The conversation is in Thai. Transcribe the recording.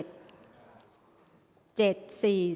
ออกรางวัลที่๖เลขที่๗